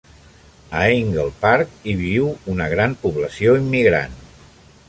A Angle Park hi viu una gran població immigrant.